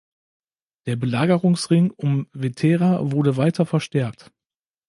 Der Belagerungsring um "Vetera" wurde weiter verstärkt.